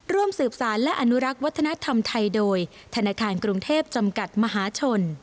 ร่วมสืบสารและอนุรักษ์วัฒนธรรมไทยโดยธนาคารกรุงเทพจำกัดมหาชน